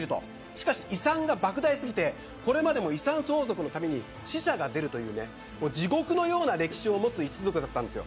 しかし、遺産が莫大すぎてこれまでの遺産相続の度に死者が出るという地獄のような歴史を持つ一族だったんです。